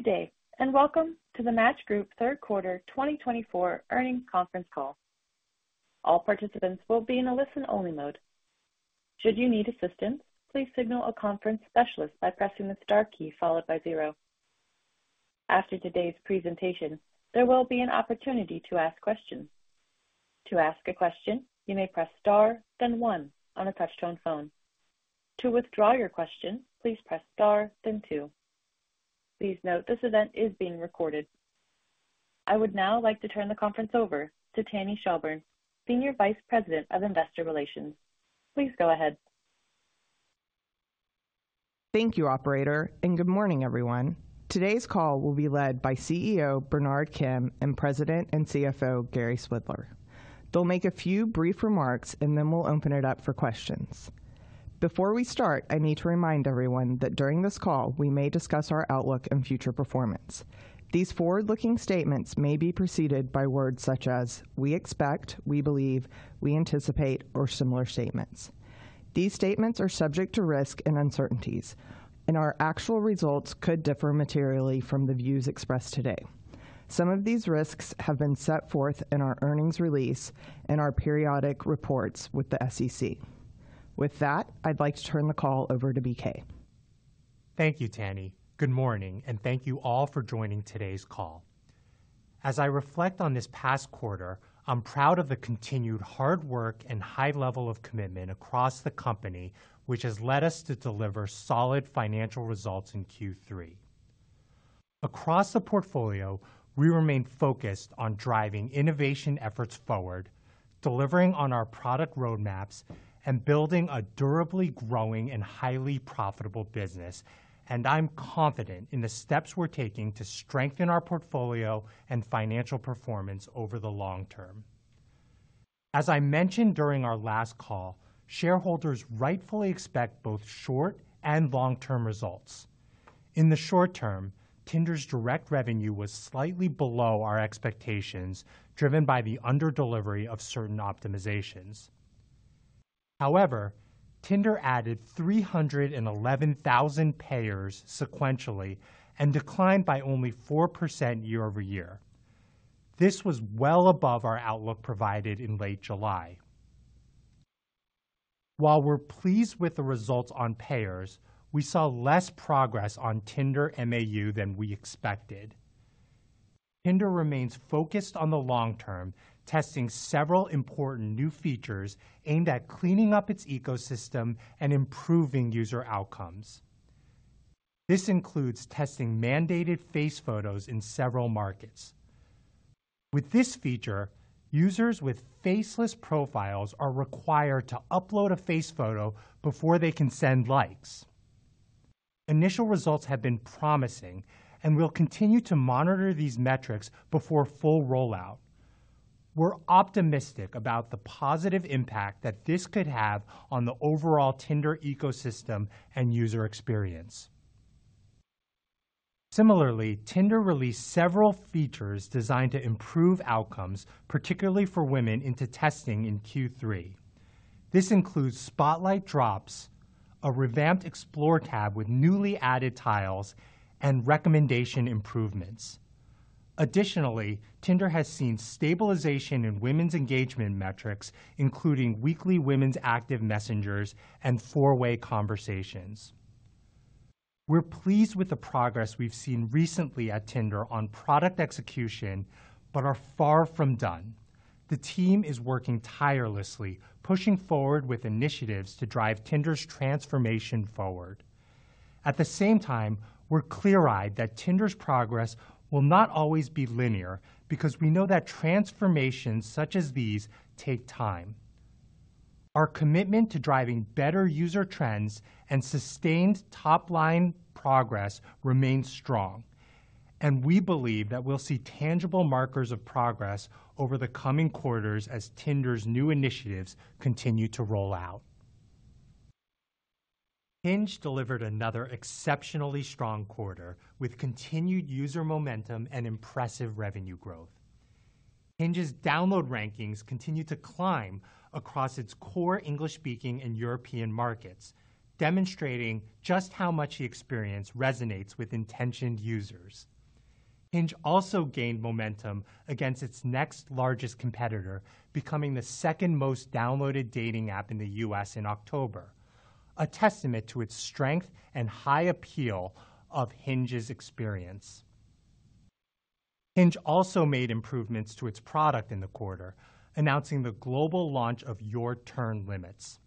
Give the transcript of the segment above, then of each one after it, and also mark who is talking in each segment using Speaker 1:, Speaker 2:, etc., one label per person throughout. Speaker 1: Good day and welcome to the Match Group third quarter 2024 earnings conference call. All participants will be in a listen-only mode. Should you need assistance, please signal a conference specialist by pressing the star key followed by zero. After today's presentation, there will be an opportunity to ask questions. To ask a question, you may press star, then one on a touch-tone phone. To withdraw your question, please press star, then two. Please note this event is being recorded. I would now like to turn the conference over to Tanny Shelburne, Senior Vice President of Investor Relations. Please go ahead.
Speaker 2: Thank you, Operator, and good morning, everyone. Today's call will be led by CEO Bernard Kim and President and CFO Gary Swidler. They'll make a few brief remarks, and then we'll open it up for questions. Before we start, I need to remind everyone that during this call, we may discuss our outlook and future performance. These forward-looking statements may be preceded by words such as, "We expect," "We believe," "We anticipate," or similar statements. These statements are subject to risk and uncertainties, and our actual results could differ materially from the views expressed today. Some of these risks have been set forth in our earnings release and our periodic reports with the SEC. With that, I'd like to turn the call over to BK.
Speaker 3: Thank you, Tanny. Good morning, and thank you all for joining today's call. As I reflect on this past quarter, I'm proud of the continued hard work and high level of commitment across the company, which has led us to deliver solid financial results in Q3. Across the portfolio, we remain focused on driving innovation efforts forward, delivering on our product roadmaps, and building a durably growing and highly profitable business, and I'm confident in the steps we're taking to strengthen our portfolio and financial performance over the long term. As I mentioned during our last call, shareholders rightfully expect both short and long-term results. In the short term, Tinder's direct revenue was slightly below our expectations, driven by the underdelivery of certain optimizations. However, Tinder added 311,000 Pairs sequentially and declined by only 4% year-over-year. This was well above our outlook provided in late July. While we're pleased with the results on Pairs, we saw less progress on Tinder MAU than we expected. Tinder remains focused on the long term, testing several important new features aimed at cleaning up its ecosystem and improving user outcomes. This includes testing mandated face photos in several markets. With this feature, users with faceless profiles are required to upload a face photo before they can send likes. Initial results have been promising, and we'll continue to monitor these metrics before full rollout. We're optimistic about the positive impact that this could have on the overall Tinder ecosystem and user experience. Similarly, Tinder released several features designed to improve outcomes, particularly for women, into testing in Q3. This includes Spotlight Drops, a revamped Explore tab with newly added tiles, and recommendation improvements. Additionally, Tinder has seen stabilization in women's engagement metrics, including weekly women's active messengers and four-way conversations. We're pleased with the progress we've seen recently at Tinder on product execution, but are far from done. The team is working tirelessly, pushing forward with initiatives to drive Tinder's transformation forward. At the same time, we're clear-eyed that Tinder's progress will not always be linear because we know that transformations such as these take time. Our commitment to driving better user trends and sustained top-line progress remains strong, and we believe that we'll see tangible markers of progress over the coming quarters as Tinder's new initiatives continue to roll out. Hinge delivered another exceptionally strong quarter with continued user momentum and impressive revenue growth. Hinge's download rankings continue to climb across its core English-speaking and European markets, demonstrating just how much the experience resonates with intentioned users. Hinge also gained momentum against its next largest competitor, becoming the second most downloaded dating app in the U.S. in October, a testament to its strength and high appeal of Hinge's experience. Hinge also made improvements to its product in the quarter, announcing the global launch of Your Turn Limits.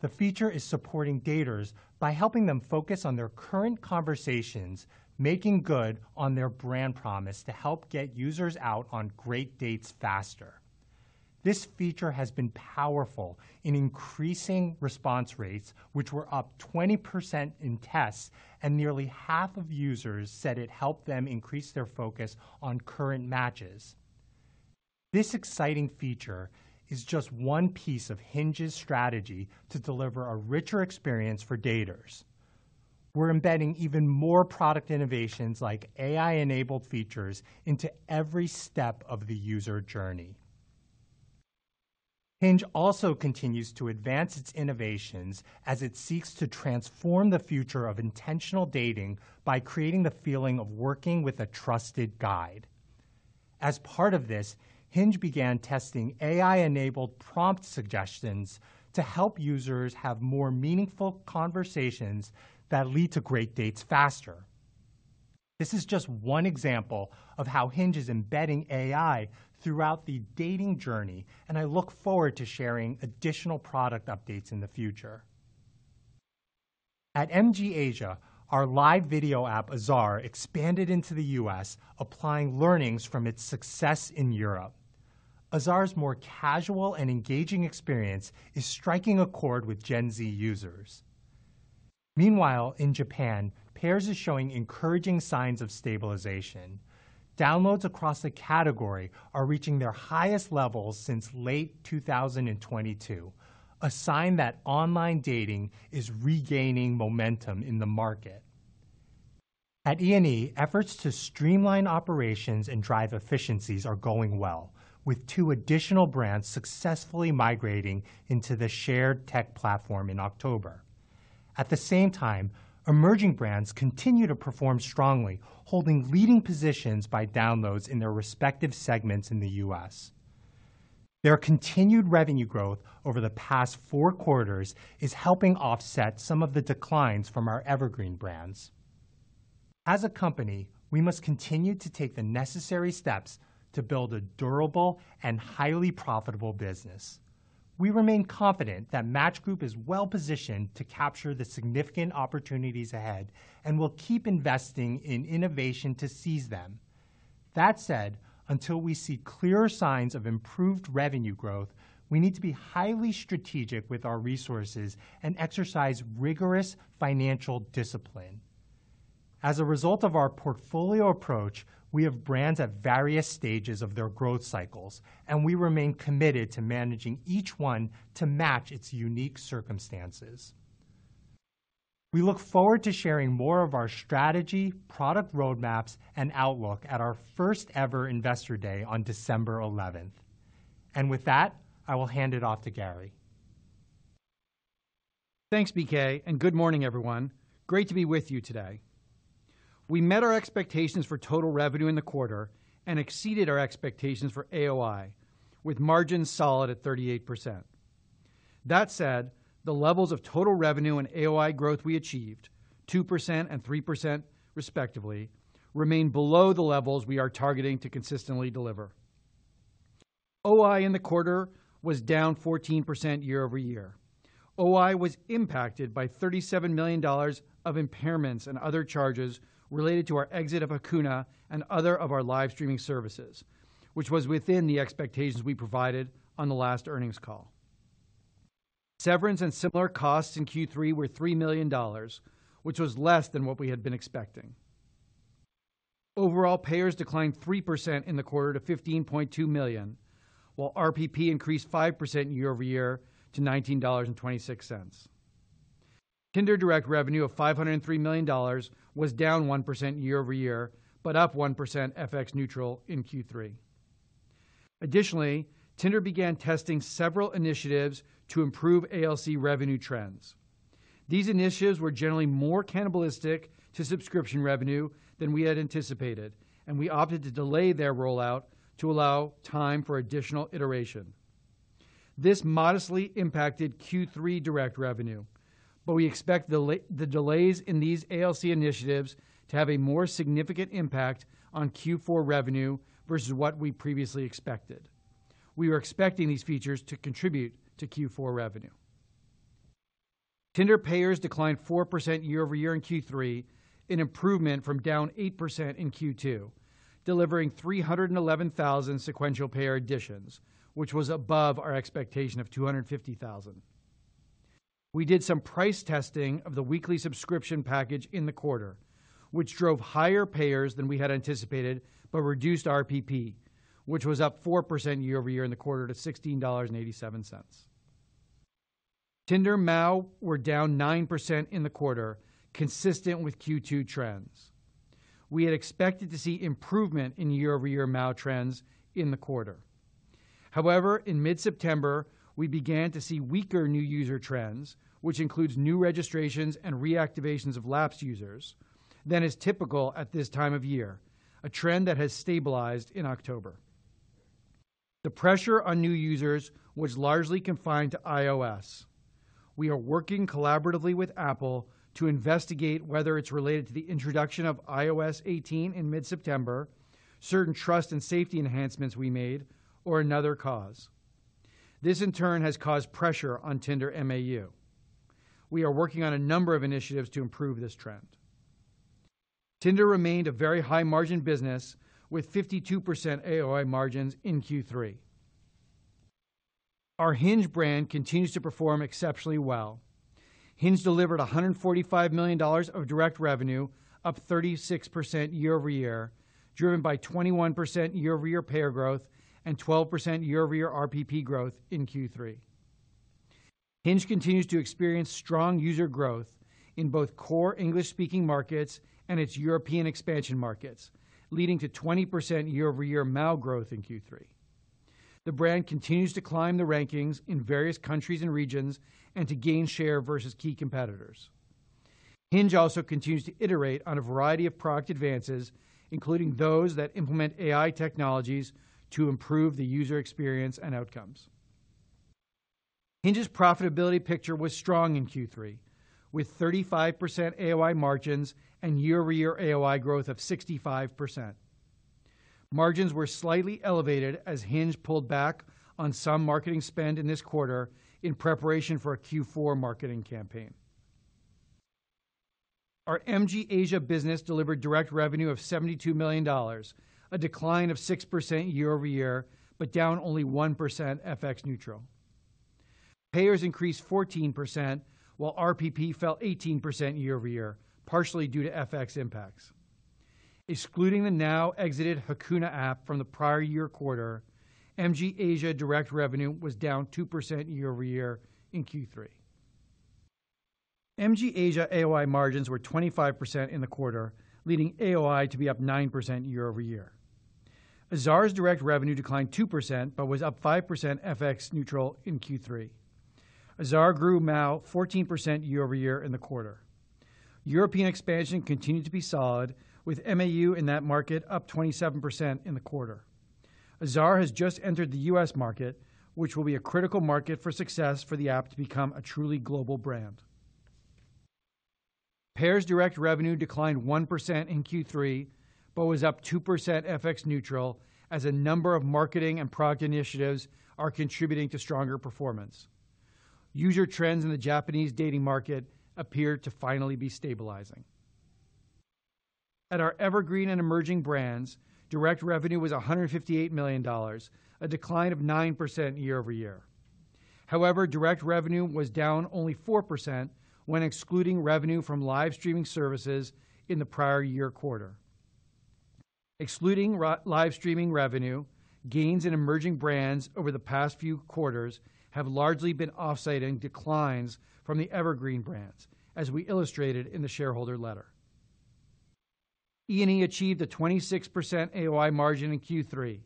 Speaker 3: The feature is supporting daters by helping them focus on their current conversations, making good on their brand promise to help get users out on great dates faster. This feature has been powerful in increasing response rates, which were up 20% in tests, and nearly half of users said it helped them increase their focus on current matches. This exciting feature is just one piece of Hinge's strategy to deliver a richer experience for daters. We're embedding even more product innovations like AI-enabled features into every step of the user journey. Hinge also continues to advance its innovations as it seeks to transform the future of intentional dating by creating the feeling of working with a trusted guide. As part of this, Hinge began testing AI-enabled prompt suggestions to help users have more meaningful conversations that lead to great dates faster. This is just one example of how Hinge is embedding AI throughout the dating journey, and I look forward to sharing additional product updates in the future. At MG Asia, our live video app, Azar, expanded into the U.S., applying learnings from its success in Europe. Azar's more casual and engaging experience is striking a chord with Gen Z users. Meanwhile, in Japan, Pairs are showing encouraging signs of stabilization. Downloads across the category are reaching their highest levels since late 2022, a sign that online dating is regaining momentum in the market. At E&E, efforts to streamline operations and drive efficiencies are going well, with two additional brands successfully migrating into the shared tech platform in October. At the same time, emerging brands continue to perform strongly, holding leading positions by downloads in their respective segments in the U.S. Their continued revenue growth over the past four quarters is helping offset some of the declines from our evergreen brands. As a company, we must continue to take the necessary steps to build a durable and highly profitable business. We remain confident that Match Group is well-positioned to capture the significant opportunities ahead and will keep investing in innovation to seize them. That said, until we see clearer signs of improved revenue growth, we need to be highly strategic with our resources and exercise rigorous financial discipline. As a result of our portfolio approach, we have brands at various stages of their growth cycles, and we remain committed to managing each one to match its unique circumstances. We look forward to sharing more of our strategy, product roadmaps, and outlook at our first-ever Investor Day on December 11th. And with that, I will hand it off to Gary.
Speaker 4: Thanks, BK, and good morning, everyone. Great to be with you today. We met our expectations for total revenue in the quarter and exceeded our expectations for AOI, with margins solid at 38%. That said, the levels of total revenue and AOI growth we achieved, 2% and 3% respectively, remain below the levels we are targeting to consistently deliver. OI in the quarter was down 14% year-over-year. OI was impacted by $37 million of impairments and other charges related to our exit of Hakuna and other of our live streaming services, which was within the expectations we provided on the last earnings call. Severance and similar costs in Q3 were $3 million, which was less than what we had been expecting. Overall, Pairs declined 3% in the quarter to $15.2 million, while RPP increased 5% year-over-year to $19.26. Tinder direct revenue of $503 million was down 1% year-over-year, but up 1% FX neutral in Q3. Additionally, Tinder began testing several initiatives to improve ALC revenue trends. These initiatives were generally more cannibalistic to subscription revenue than we had anticipated, and we opted to delay their rollout to allow time for additional iteration. This modestly impacted Q3 direct revenue, but we expect the delays in these ALC initiatives to have a more significant impact on Q4 revenue versus what we previously expected. We were expecting these features to contribute to Q4 revenue. Tinder Pairs declined 4% year-over-year in Q3, an improvement from down 8% in Q2, delivering 311,000 sequential payer additions, which was above our expectation of 250,000. We did some price testing of the weekly subscription package in the quarter, which drove higher Pairs than we had anticipated, but reduced RPP, which was up 4% year-over-year in the quarter to $16.87. Tinder MAU were down 9% in the quarter, consistent with Q2 trends. We had expected to see improvement in year-over-year MAU trends in the quarter. However, in mid-September, we began to see weaker new user trends, which includes new registrations and reactivations of lapse users, than is typical at this time of year, a trend that has stabilized in October. The pressure on new users was largely confined to iOS. We are working collaboratively with Apple to investigate whether it's related to the introduction of iOS 18 in mid-September, certain trust and safety enhancements we made, or another cause. This, in turn, has caused pressure on Tinder MAU. We are working on a number of initiatives to improve this trend. Tinder remained a very high-margin business with 52% AOI margins in Q3. Our Hinge brand continues to perform exceptionally well. Hinge delivered $145 million of direct revenue, up 36% year-over-year, driven by 21% year-over-year payer growth and 12% year-over-year RPP growth in Q3. Hinge continues to experience strong user growth in both core English-speaking markets and its European expansion markets, leading to 20% year-over-year MAU growth in Q3. The brand continues to climb the rankings in various countries and regions and to gain share versus key competitors. Hinge also continues to iterate on a variety of product advances, including those that implement AI technologies to improve the user experience and outcomes. Hinge's profitability picture was strong in Q3, with 35% AOI margins and year-over-year AOI growth of 65%. Margins were slightly elevated as Hinge pulled back on some marketing spend in this quarter in preparation for a Q4 marketing campaign. Our MG Asia business delivered direct revenue of $72 million, a decline of 6% year-over-year, but down only 1% FX neutral. Pairs increased 14%, while RPP fell 18% year-over-year, partially due to FX impacts. Excluding the now-exited Hakuna app from the prior year quarter, MG Asia direct revenue was down 2% year-over-year in Q3. MG Asia AOI margins were 25% in the quarter, leading AOI to be up 9% year-over-year. Azar's direct revenue declined 2%, but was up 5% FX neutral in Q3. Azar grew MAU 14% year-over-year in the quarter. European expansion continued to be solid, with MAU in that market up 27% in the quarter. Azar has just entered the U.S. market, which will be a critical market for success for the app to become a truly global brand. Pairs direct revenue declined 1% in Q3, but was up 2% FX neutral as a number of marketing and product initiatives are contributing to stronger performance. User trends in the Japanese dating market appear to finally be stabilizing. At our evergreen and emerging brands, direct revenue was $158 million, a decline of 9% year-over-year. However, direct revenue was down only 4% when excluding revenue from live streaming services in the prior year quarter. Excluding live streaming revenue, gains in emerging brands over the past few quarters have largely been offsetting declines from the evergreen brands, as we illustrated in the shareholder letter. E&E achieved a 26% AOI margin in Q3.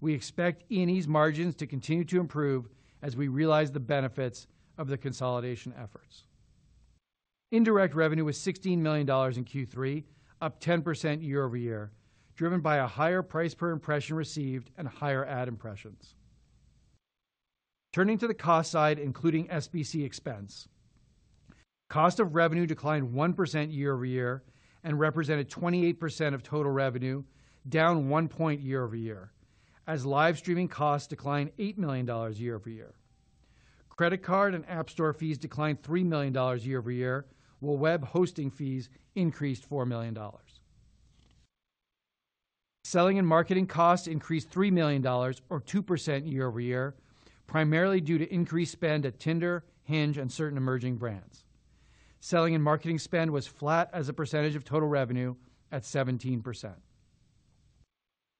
Speaker 4: We expect E&E's margins to continue to improve as we realize the benefits of the consolidation efforts. Indirect revenue was $16 million in Q3, up 10% year-over-year, driven by a higher price per impression received and higher ad impressions. Turning to the cost side, including SBC expense. Cost of revenue declined 1% year-over-year and represented 28% of total revenue, down 1 point year-over-year, as live streaming costs declined $8 million year-over-year. Credit card and app store fees declined $3 million year-over-year, while web hosting fees increased $4 million. Selling and marketing costs increased $3 million, or 2% year-over-year, primarily due to increased spend at Tinder, Hinge, and certain emerging brands. Selling and marketing spend was flat as a percentage of total revenue at 17%.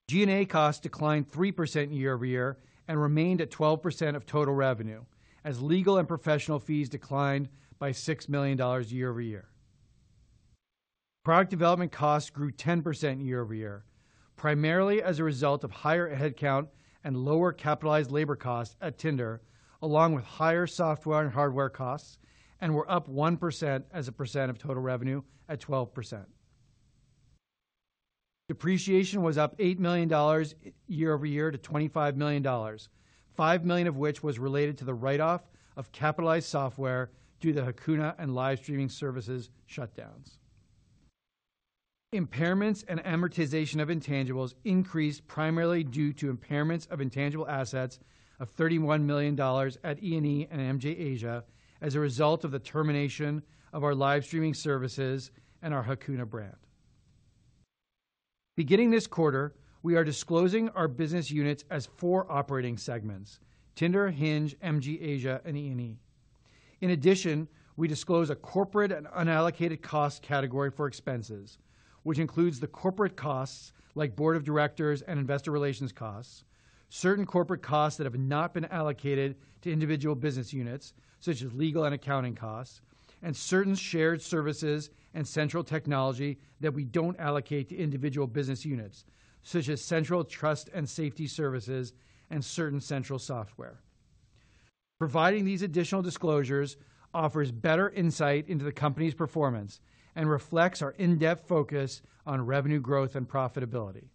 Speaker 4: G&A costs declined 3% year-over-year and remained at 12% of total revenue, as legal and professional fees declined by $6 million year-over-year. Product development costs grew 10% year-over-year, primarily as a result of higher headcount and lower capitalized labor costs at Tinder, along with higher software and hardware costs, and were up 1% as a percent of total revenue at 12%. Depreciation was up $8 million year-over-year to $25 million, $5 million of which was related to the write-off of capitalized software due to the Hakuna and live streaming services shutdowns. Impairments and amortization of intangibles increased primarily due to impairments of intangible assets of $31 million at E&E and MG Asia as a result of the termination of our live streaming services and our Hakuna brand. Beginning this quarter, we are disclosing our business units as four operating segments: Tinder, Hinge, MG Asia, and E&E. In addition, we disclose a corporate and unallocated cost category for expenses, which includes the corporate costs like board of directors and investor relations costs, certain corporate costs that have not been allocated to individual business units, such as legal and accounting costs, and certain shared services and central technology that we don't allocate to individual business units, such as central trust and safety services and certain central software. Providing these additional disclosures offers better insight into the company's performance and reflects our in-depth focus on revenue growth and profitability.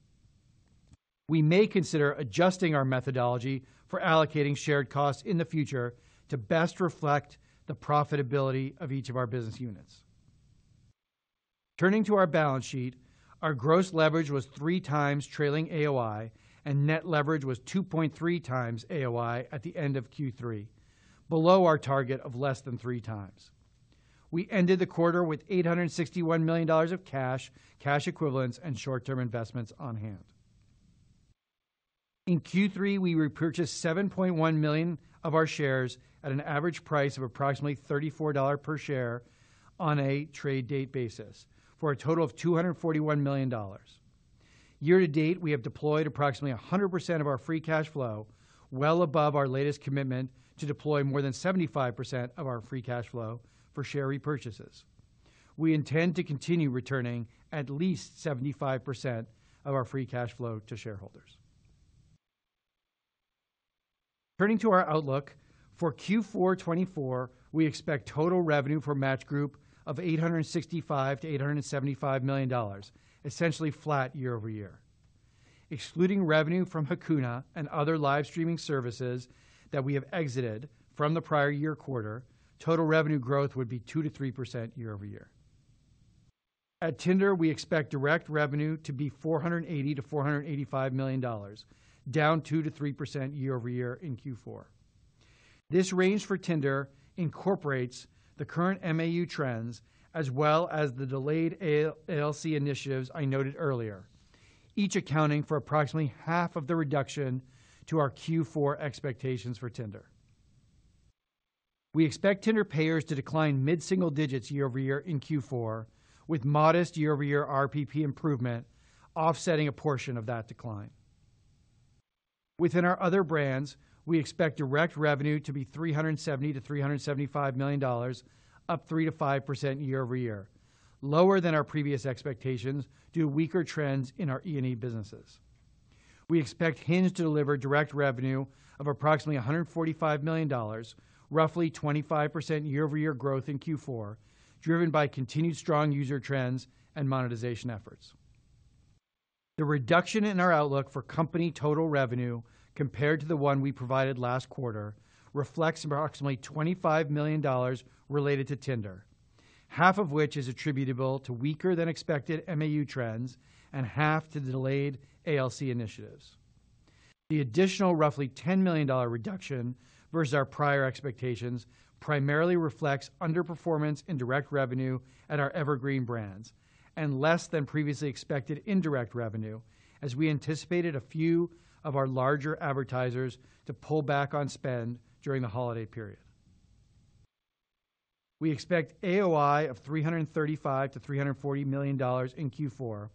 Speaker 4: We may consider adjusting our methodology for allocating shared costs in the future to best reflect the profitability of each of our business units. Turning to our balance sheet, our gross leverage was three times trailing AOI, and net leverage was 2.3x AOI at the end of Q3, below our target of less than three times. We ended the quarter with $861 million of cash, cash equivalents, and short-term investments on hand. In Q3, we repurchased 7.1 million of our shares at an average price of approximately $34 per share on a trade date basis for a total of $241 million. Year to date, we have deployed approximately 100% of our free cash flow, well above our latest commitment to deploy more than 75% of our free cash flow for share repurchases. We intend to continue returning at least 75% of our free cash flow to shareholders. Turning to our outlook, for Q4 2024, we expect total revenue for Match Group of $865 million-$875 million, essentially flat year-over-year. Excluding revenue from Hakuna and other live streaming services that we have exited from the prior year quarter, total revenue growth would be 2%-3% year-over-year. At Tinder, we expect direct revenue to be $480 million-$485 million, down 2%-3% year-over-year in Q4. This range for Tinder incorporates the current MAU trends as well as the delayed ALC initiatives I noted earlier, each accounting for approximately half of the reduction to our Q4 expectations for Tinder. We expect Tinder Pairs to decline mid-single digits year-over-year in Q4, with modest year-over-year RPP improvement offsetting a portion of that decline. Within our other brands, we expect direct revenue to be $370 million-$375 million, up 3%-5% year-over-year, lower than our previous expectations due to weaker trends in our E&E businesses. We expect Hinge to deliver direct revenue of approximately $145 million, roughly 25% year-over-year growth in Q4, driven by continued strong user trends and monetization efforts. The reduction in our outlook for company total revenue compared to the one we provided last quarter reflects approximately $25 million related to Tinder, half of which is attributable to weaker-than-expected MAU trends and half to delayed ALC initiatives. The additional roughly $10 million reduction versus our prior expectations primarily reflects underperformance in direct revenue at our evergreen brands and less than previously expected indirect revenue, as we anticipated a few of our larger advertisers to pull back on spend during the holiday period. We expect AOI of $335 million-$340 million in Q4,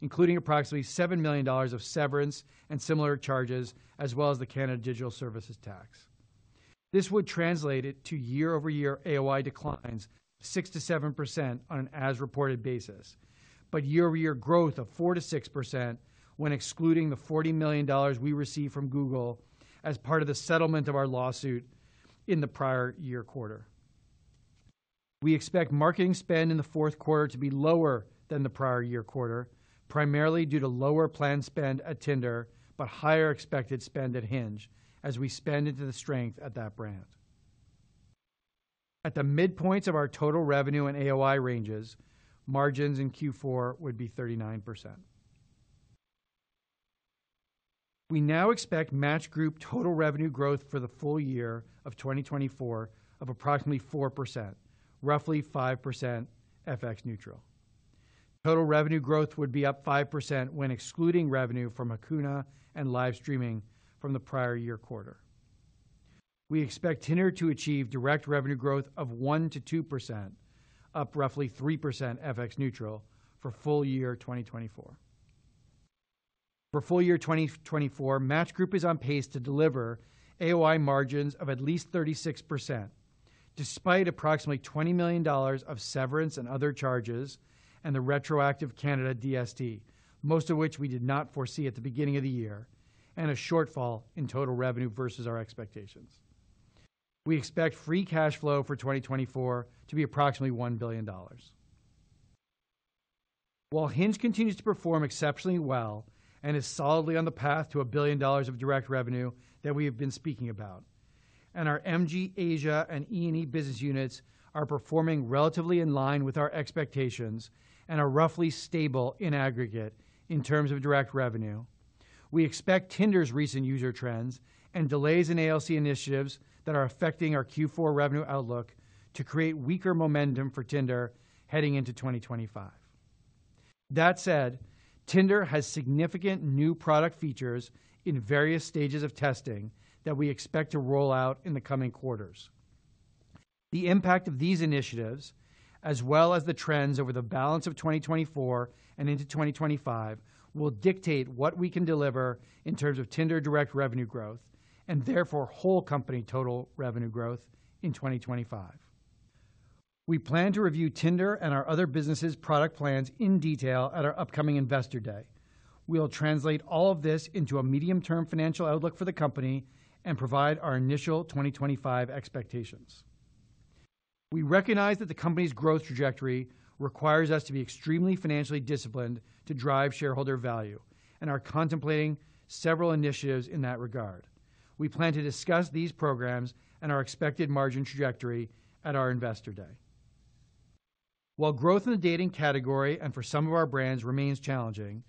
Speaker 4: including approximately $7 million of severance and similar charges, as well as the Canada Digital Services Tax. This would translate it to year-over-year AOI declines of 6%-7% on an as-reported basis, but year-over-year growth of 4%-6% when excluding the $40 million we received from Google as part of the settlement of our lawsuit in the prior year quarter. We expect marketing spend in the fourth quarter to be lower than the prior year quarter, primarily due to lower planned spend at Tinder but higher expected spend at Hinge, as we spend into the strength at that brand. At the midpoint of our total revenue and AOI ranges, margins in Q4 would be 39%. We now expect Match Group total revenue growth for the full year of 2024 of approximately 4%, roughly 5% FX neutral. Total revenue growth would be up 5% when excluding revenue from Hakuna and live streaming from the prior year quarter. We expect Tinder to achieve direct revenue growth of 1%-2%, up roughly 3% FX neutral for full year 2024. For full year 2024, Match Group is on pace to deliver AOI margins of at least 36%, despite approximately $20 million of severance and other charges and the retroactive Canada DST, most of which we did not foresee at the beginning of the year, and a shortfall in total revenue versus our expectations. We expect free cash flow for 2024 to be approximately $1 billion. While Hinge continues to perform exceptionally well and is solidly on the path to $1 billion of direct revenue that we have been speaking about, and our MG Asia and E&E business units are performing relatively in line with our expectations and are roughly stable in aggregate in terms of direct revenue, we expect Tinder's recent user trends and delays in ALC initiatives that are affecting our Q4 revenue outlook to create weaker momentum for Tinder heading into 2025. That said, Tinder has significant new product features in various stages of testing that we expect to roll out in the coming quarters. The impact of these initiatives, as well as the trends over the balance of 2024 and into 2025, will dictate what we can deliver in terms of Tinder direct revenue growth and therefore whole company total revenue growth in 2025. We plan to review Tinder and our other businesses' product plans in detail at our upcoming Investor Day. We'll translate all of this into a medium-term financial outlook for the company and provide our initial 2025 expectations. We recognize that the company's growth trajectory requires us to be extremely financially disciplined to drive shareholder value, and are contemplating several initiatives in that regard. We plan to discuss these programs and our expected margin trajectory at our Investor Day. While growth in the dating category and for some of our brands remains challenging,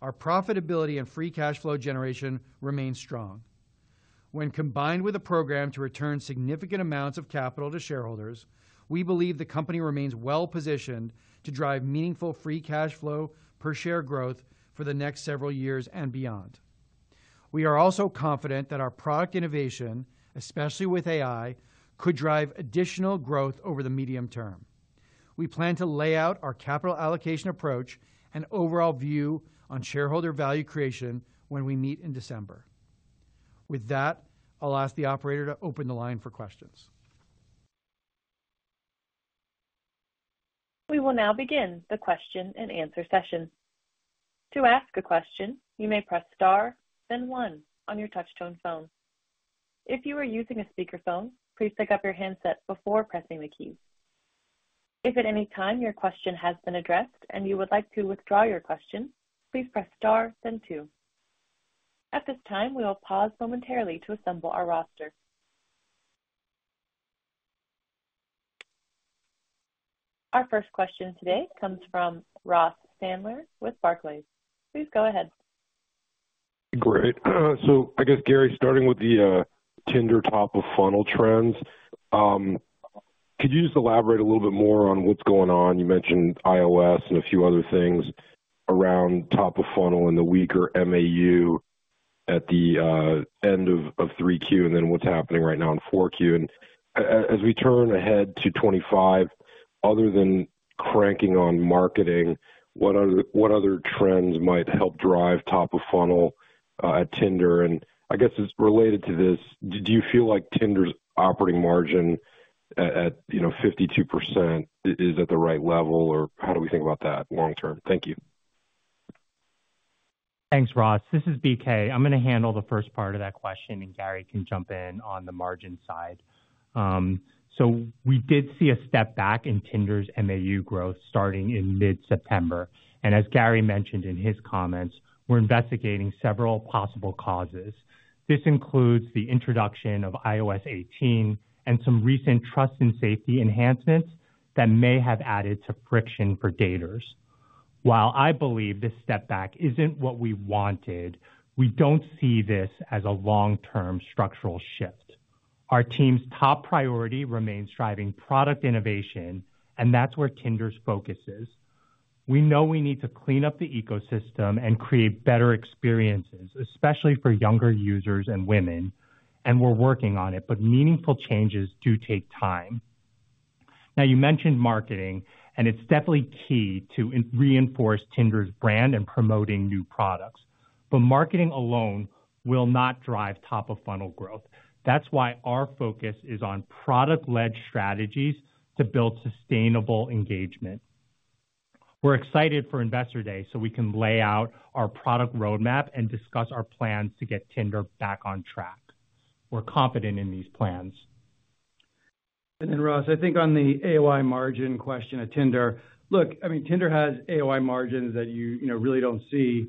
Speaker 4: our profitability and free cash flow generation remains strong. When combined with a program to return significant amounts of capital to shareholders, we believe the company remains well-positioned to drive meaningful free cash flow per share growth for the next several years and beyond. We are also confident that our product innovation, especially with AI, could drive additional growth over the medium term. We plan to lay out our capital allocation approach and overall view on shareholder value creation when we meet in December. With that, I'll ask the operator to open the line for questions.
Speaker 1: We will now begin the question and answer session. To ask a question, you may press star, then one on your touch-tone phone. If you are using a speakerphone, please pick up your handset before pressing the keys. If at any time your question has been addressed and you would like to withdraw your question, please press star, then two. At this time, we will pause momentarily to assemble our roster. Our first question today comes from Ross Sandler with Barclays. Please go ahead.
Speaker 5: Great. I guess, Gary, starting with the Tinder top-of-funnel trends, could you just elaborate a little bit more on what's going on? You mentioned iOS and a few other things around top-of-funnel and the weaker MAU at the end of 3Q and then what's happening right now in 4Q. And as we turn ahead to 2025, other than cranking on marketing, what other trends might help drive top-of-funnel at Tinder? And I guess it's related to this. Do you feel like Tinder's operating margin at 52% is at the right level, or how do we think about that long-term? Thank you.
Speaker 3: Thanks, Ross. This is BK. I'm going to handle the first part of that question, and Gary can jump in on the margin side. So we did see a step back in Tinder's MAU growth starting in mid-September. As Gary mentioned in his comments, we're investigating several possible causes. This includes the introduction of iOS 18 and some recent trust and safety enhancements that may have added to friction for daters. While I believe this step back isn't what we wanted, we don't see this as a long-term structural shift. Our team's top priority remains driving product innovation, and that's where Tinder's focus is. We know we need to clean up the ecosystem and create better experiences, especially for younger users and women, and we're working on it, but meaningful changes do take time. Now, you mentioned marketing, and it's definitely key to reinforce Tinder's brand and promoting new products, but marketing alone will not drive top-of-funnel growth. That's why our focus is on product-led strategies to build sustainable engagement. We're excited for Investor Day so we can lay out our product roadmap and discuss our plans to get Tinder back on track. We're confident in these plans.
Speaker 4: And then, Ross, I think on the AOI margin question at Tinder, look, I mean, Tinder has AOI margins that you really don't see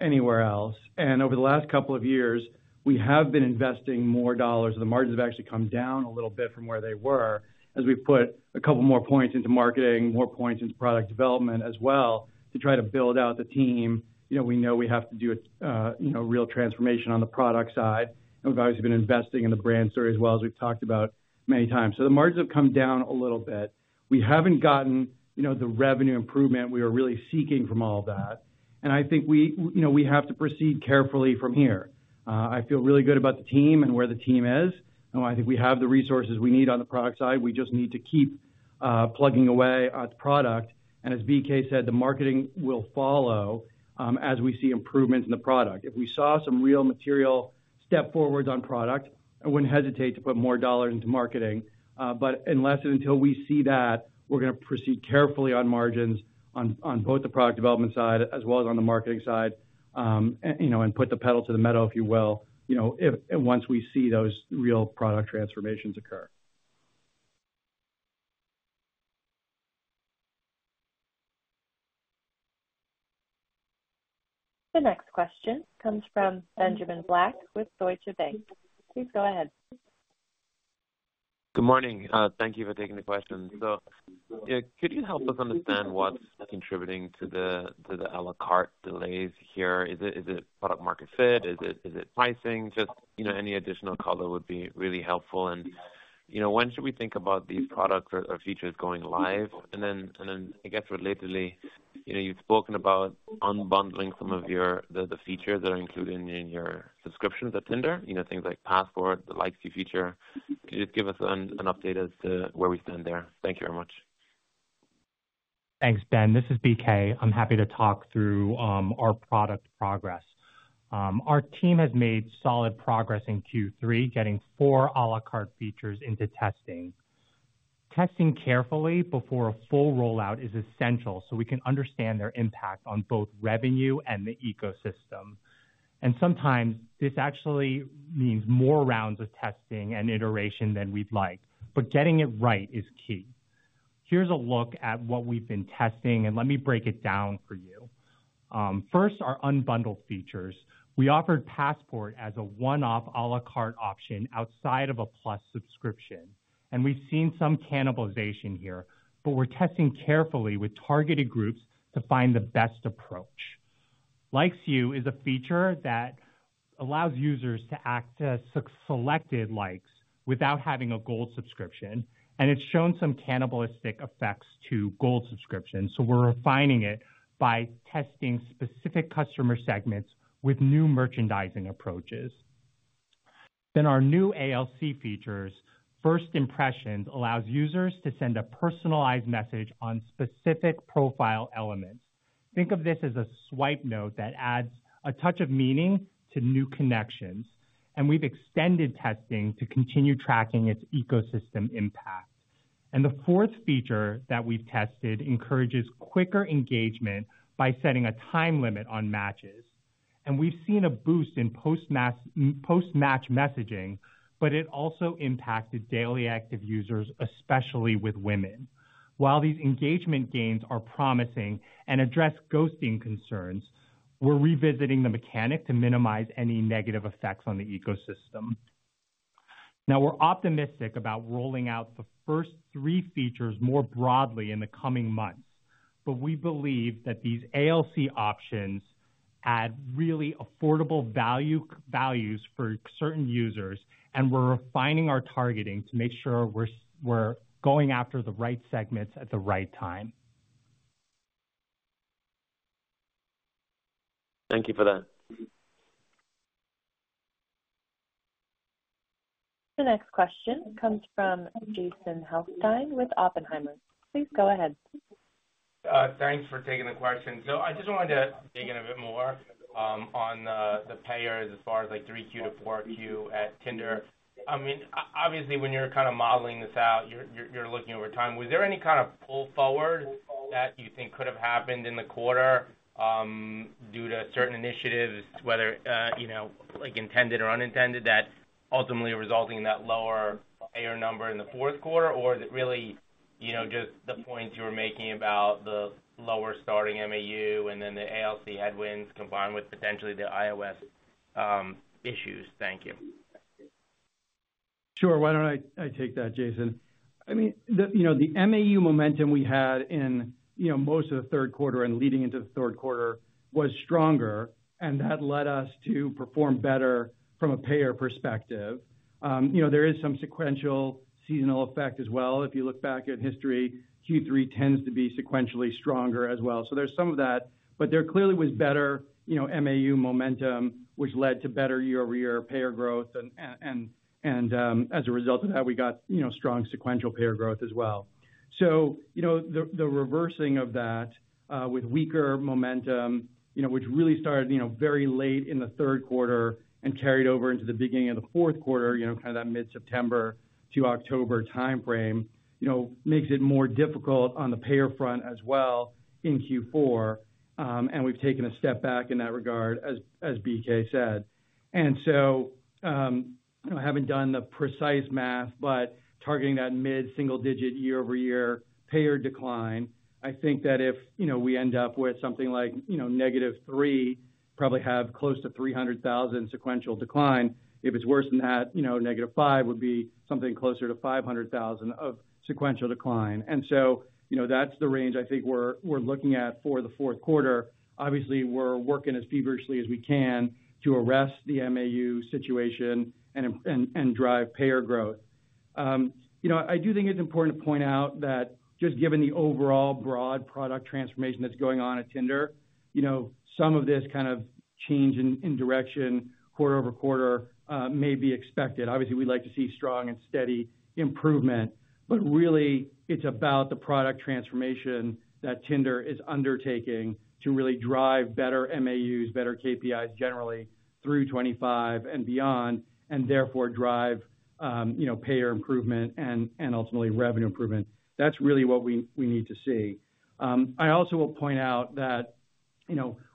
Speaker 4: anywhere else. And over the last couple of years, we have been investing more dollars. The margins have actually come down a little bit from where they were as we've put a couple more points into marketing, more points into product development as well to try to build out the team. We know we have to do a real transformation on the product side, and we've obviously been investing in the brand story as well as we've talked about many times. So the margins have come down a little bit. We haven't gotten the revenue improvement we were really seeking from all of that, and I think we have to proceed carefully from here. I feel really good about the team and where the team is. I think we have the resources we need on the product side. We just need to keep plugging away at the product, and as BK said, the marketing will follow as we see improvements in the product. If we saw some real material step forwards on product, I wouldn't hesitate to put more dollars into marketing. But unless and until we see that, we're going to proceed carefully on margins on both the product development side as well as on the marketing side and put the pedal to the metal, if you will, once we see those real product transformations occur.
Speaker 1: The next question comes from Benjamin Black with Deutsche Bank. Please go ahead.
Speaker 6: Good morning. Thank you for taking the question. So could you help us understand what's contributing to the à la carte delays here? Is it product-market fit? Is it pricing? Just any additional color would be really helpful. And when should we think about these products or features going live? And then I guess relatedly, you've spoken about unbundling some of the features that are included in your subscriptions at Tinder, things like Passport, the Likes You feature. Could you just give us an update as to where we stand there? Thank you very much.
Speaker 3: Thanks, Ben. This is BK. I'm happy to talk through our product progress. Our team has made solid progress in Q3, getting four à la carte features into testing. Testing carefully before a full rollout is essential so we can understand their impact on both revenue and the ecosystem. Sometimes this actually means more rounds of testing and iteration than we'd like, but getting it right is key. Here's a look at what we've been testing, and let me break it down for you. First, our unbundled features. We offered Passport as a one-off à la carte option outside of a Plus subscription, and we've seen some cannibalization here, but we're testing carefully with targeted groups to find the best approach. Likes You is a feature that allows users to access selected likes without having a Gold subscription, and it's shown some cannibalistic effects to Gold subscriptions. We're refining it by testing specific customer segments with new merchandising approaches. Our new ALC features, First Impressions, allows users to send a personalized message on specific profile elements. Think of this as a swipe note that adds a touch of meaning to new connections, and we've extended testing to continue tracking its ecosystem impact, and the fourth feature that we've tested encourages quicker engagement by setting a time limit on matches, and we've seen a boost in post-match messaging, but it also impacted daily active users, especially with women. While these engagement gains are promising and address ghosting concerns, we're revisiting the mechanic to minimize any negative effects on the ecosystem. Now, we're optimistic about rolling out the first three features more broadly in the coming months, but we believe that these ALC options add really affordable values for certain users, and we're refining our targeting to make sure we're going after the right segments at the right time.
Speaker 6: Thank you for that.
Speaker 1: The next question comes from Jason Helfstein with Oppenheimer. Please go ahead.
Speaker 7: Thanks for taking the question. So I just wanted to dig in a bit more on the Pairs as far as 3Q to 4Q at Tinder. I mean, obviously, when you're kind of modeling this out, you're looking over time. Was there any kind of pull forward that you think could have happened in the quarter due to certain initiatives, whether intended or unintended, that ultimately resulted in that lower payer number in the fourth quarter, or is it really just the points you were making about the lower starting MAU and then the ALC headwinds combined with potentially the iOS issues? Thank you.
Speaker 4: Sure. Why don't I take that, Jason? I mean, the MAU momentum we had in most of the third quarter and leading into the third quarter was stronger, and that led us to perform better from a payer perspective. There is some sequential seasonal effect as well. If you look back at history, Q3 tends to be sequentially stronger as well, so there's some of that, but there clearly was better MAU momentum, which led to better year-over-year payer growth, and as a result of that, we got strong sequential payer growth as well, so the reversing of that with weaker momentum, which really started very late in the third quarter and carried over into the beginning of the fourth quarter, kind of that mid-September to October timeframe, makes it more difficult on the payer front as well in Q4, and we've taken a step back in that regard, as BK said, and so I haven't done the precise math, but targeting that mid-single-digit year-over-year payer decline, I think that if we end up with something like -3, probably have close to 300,000 sequential decline. If it's worse than that, -5 would be something closer to 500,000 of sequential decline, and so that's the range I think we're looking at for the fourth quarter. Obviously, we're working as feverishly as we can to arrest the MAU situation and drive payer growth. I do think it's important to point out that just given the overall broad product transformation that's going on at Tinder, some of this kind of change in direction quarter over quarter may be expected. Obviously, we'd like to see strong and steady improvement, but really, it's about the product transformation that Tinder is undertaking to really drive better MAUs, better KPIs generally through 2025 and beyond, and therefore drive payer improvement and ultimately revenue improvement. That's really what we need to see. I also will point out that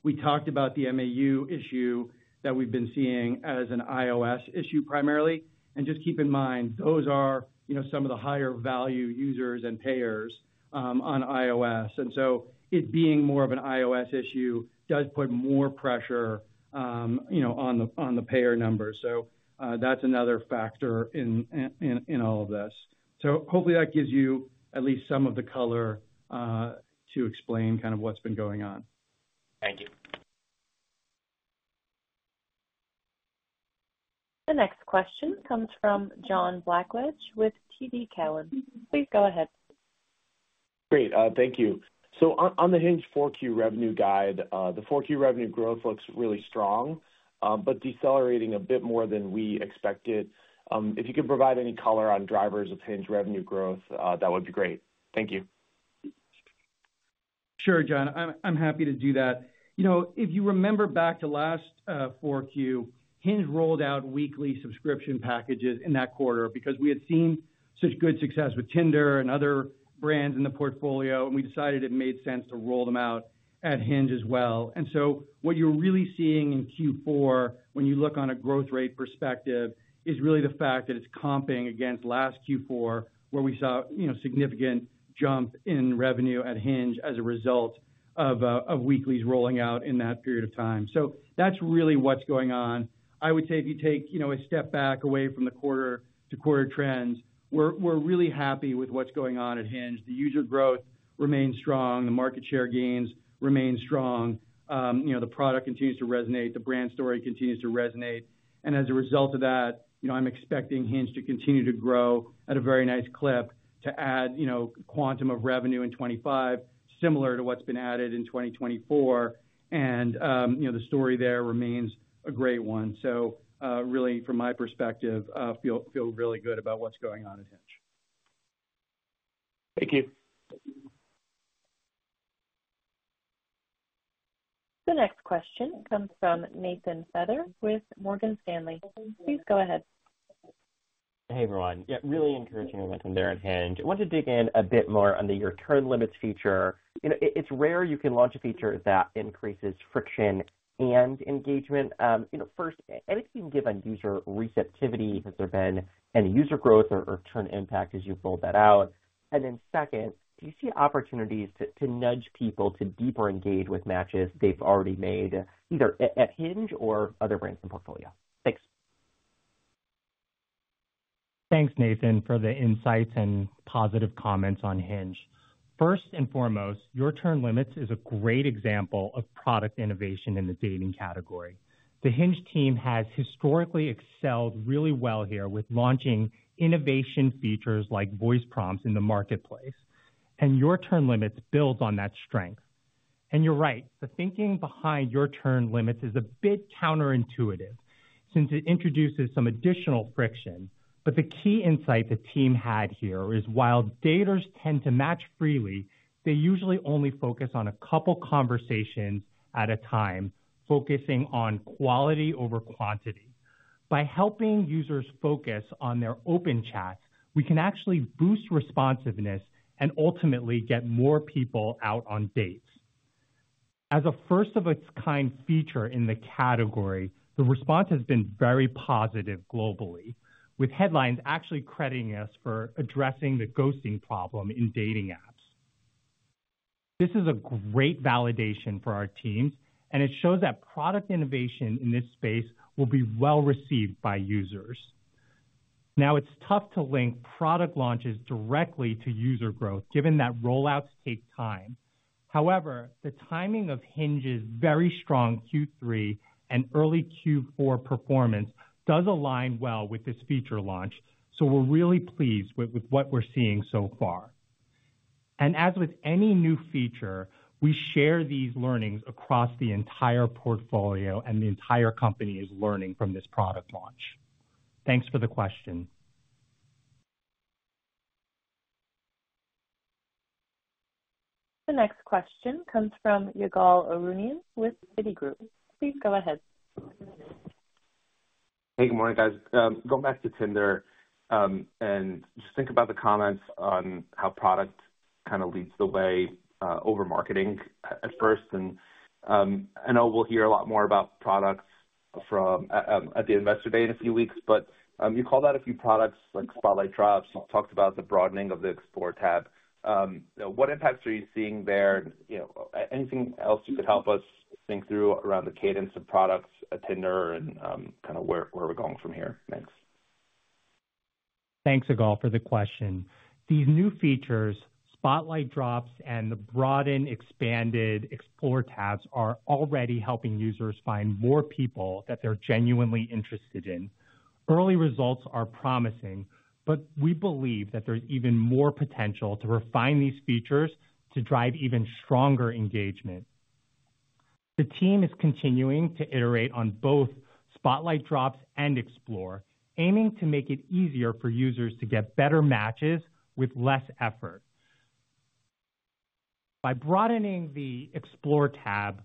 Speaker 4: we talked about the MAU issue that we've been seeing as an iOS issue primarily, and just keep in mind, those are some of the higher-value users and Pairs on iOS, and so it being more of an iOS issue does put more pressure on the payer numbers, so that's another factor in all of this, so hopefully, that gives you at least some of the color to explain kind of what's been going on.
Speaker 7: Thank you.
Speaker 1: The next question comes from John Blackledge with TD Cowen. Please go ahead.
Speaker 8: Great. Thank you, so on the Hinge 4Q revenue guide, the 4Q revenue growth looks really strong but decelerating a bit more than we expected. If you can provide any color on drivers of Hinge revenue growth, that would be great. Thank you.
Speaker 4: Sure, John. I'm happy to do that. If you remember back to last 4Q, Hinge rolled out weekly subscription packages in that quarter because we had seen such good success with Tinder and other brands in the portfolio, and we decided it made sense to roll them out at Hinge as well, and so what you're really seeing in Q4, when you look on a growth rate perspective, is really the fact that it's comping against last Q4, where we saw significant jump in revenue at Hinge as a result of weeklies rolling out in that period of time, so that's really what's going on. I would say if you take a step back away from the quarter-to-quarter trends, we're really happy with what's going on at Hinge. The user growth remains strong. The market share gains remain strong. The product continues to resonate. The brand story continues to resonate. As a result of that, I'm expecting Hinge to continue to grow at a very nice clip to add quantum of revenue in 2025, similar to what's been added in 2024. The story there remains a great one. Really, from my perspective, I feel really good about what's going on at Hinge.
Speaker 8: Thank you.
Speaker 1: The next question comes from Nathan Feather with Morgan Stanley. Please go ahead.
Speaker 9: Hey, everyone. Yeah, really encouraging momentum there at Hinge. I want to dig in a bit more on the Your Turn Limits feature. It's rare you can launch a feature that increases friction and engagement. First, anything you can give on user receptivity? Has there been any user growth or Your Turn impact as you've rolled that out? And then second, do you see opportunities to nudge people to deeper engage with matches they've already made either at Hinge or other brands in portfolio? Thanks.
Speaker 3: Thanks, Nathan, for the insights and positive comments on Hinge. First and foremost, your turn limits is a great example of product innovation in the dating category. The Hinge team has historically excelled really well here with launching innovation features like voice prompts in the marketplace. And your turn limits build on that strength. And you're right. The thinking behind your turn limits is a bit counterintuitive since it introduces some additional friction. But the key insight the team had here is while daters tend to match freely, they usually only focus on a couple of conversations at a time, focusing on quality over quantity. By helping users focus on their open chats, we can actually boost responsiveness and ultimately get more people out on dates. As a first-of-its-kind feature in the category, the response has been very positive globally, with headlines actually crediting us for addressing the ghosting problem in dating apps. This is a great validation for our teams, and it shows that product innovation in this space will be well received by users. Now, it's tough to link product launches directly to user growth, given that rollouts take time. However, the timing of Hinge's very strong Q3 and early Q4 performance does align well with this feature launch, so we're really pleased with what we're seeing so far. And as with any new feature, we share these learnings across the entire portfolio, and the entire company is learning from this product launch. Thanks for the question.
Speaker 1: The next question comes from Ygal Arounian with Citigroup. Please go ahead.
Speaker 10: Hey, good morning, guys. Going back to Tinder and just think about the comments on how product kind of leads the way over marketing at first. And I know we'll hear a lot more about products at the Investor Day in a few weeks, but you called out a few products like Spotlight Drops. You talked about the broadening of the Explore tab. What impacts are you seeing there? Anything else you could help us think through around the cadence of products at Tinder and kind of where we're going from here? Thanks.
Speaker 3: Thanks, Ygal, for the question. These new features, Spotlight Drops, and the broadened, expanded Explore tabs are already helping users find more people that they're genuinely interested in. Early results are promising, but we believe that there's even more potential to refine these features to drive even stronger engagement. The team is continuing to iterate on both Spotlight Drops and Explore, aiming to make it easier for users to get better matches with less effort. By broadening the Explore tab,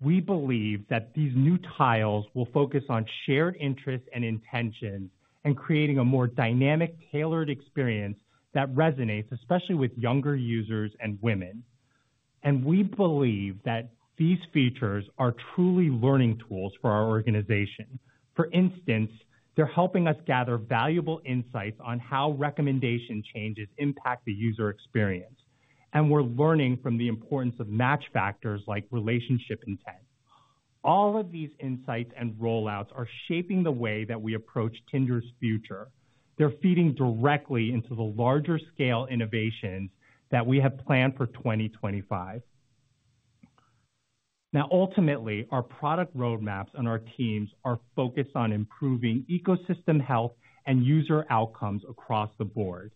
Speaker 3: we believe that these new tiles will focus on shared interests and intentions and creating a more dynamic, tailored experience that resonates, especially with younger users and women. And we believe that these features are truly learning tools for our organization. For instance, they're helping us gather valuable insights on how recommendation changes impact the user experience. And we're learning from the importance of match factors like relationship intent. All of these insights and rollouts are shaping the way that we approach Tinder's future. They're feeding directly into the larger-scale innovations that we have planned for 2025. Now, ultimately, our product roadmaps and our teams are focused on improving ecosystem health and user outcomes across the board,